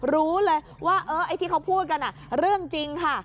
รู้เลยว่าไอ้ที่เขาพูดกันเรื่องจริงค่ะ